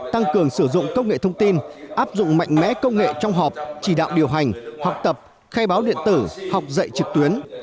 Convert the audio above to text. tăng cường sử dụng công nghệ thông tin áp dụng mạnh mẽ công nghệ trong họp chỉ đạo điều hành học tập khai báo điện tử học dạy trực tuyến